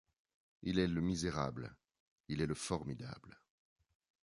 Il est le misérable, . il est le formidable ;